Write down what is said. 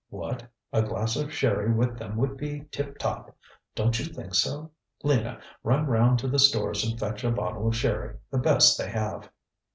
What? A glass of sherry with them would be tip top. DonŌĆÖt you think so? Lina, run round to the stores and fetch a bottle of sherry, the best they have.